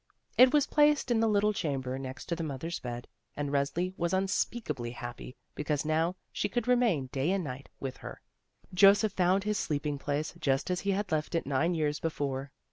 It was placed in the little chamber next the mother's bed, and Resli was unspeakably happy because now she could remain day and night with her. Joseph found his sleeping place just as he had left it nine years before.